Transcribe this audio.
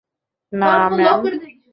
না, ম্যাম।